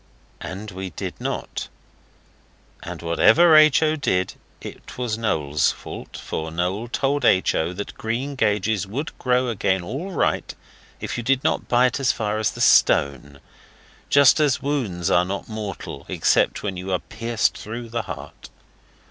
And we did not. And whatever H. O. did was Noel's fault for Noel told H. O. that greengages would grow again all right if you did not bite as far as the stone, just as wounds are not mortal except when you are pierced through the heart.